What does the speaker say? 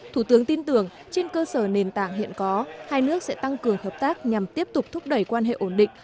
thủ tướng tin tưởng trên cơ sở nền tảng hiện có hai nước sẽ tăng cường hợp tác nhằm tiếp tục thúc đẩy quan hệ ổn định